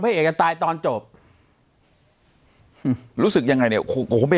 ผู้เจยงจะตายตอนจบรู้สึกยังไงเนี้ยโอโโมไป